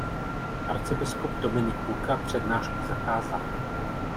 Arcibiskup Dominik Duka přednášku zakázal.